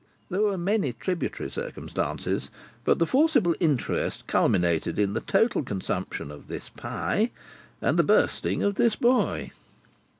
There were many tributary circumstances, but the forcible interest culminated in the total consumption of this pie, and the bursting of this boy.